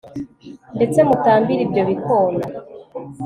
ndetse mutambire ibyo bikona